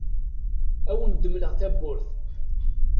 Ad awen-medleɣ tawwurt.